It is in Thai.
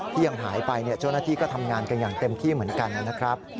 ยังหายไปเจ้าหน้าที่ก็ทำงานกันอย่างเต็มที่เหมือนกันนะครับ